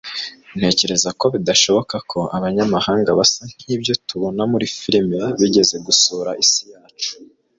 ntekereza ko bidashoboka ko abanyamahanga basa nkibyo tubona muri firime bigeze gusura isi yacu